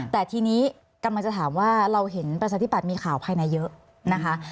แต่ทีนี้กำลังจะถามว่าเราเห็นประชาธิบัตย์มีข่าวภายในเยอะนะคะ